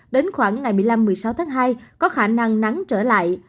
đến khoảng ngày một mươi năm một mươi sáu tháng hai có khả năng nắng trở lại